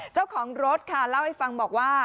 เจ้าของรถค่ะเล่าให้ฟังบอกว่า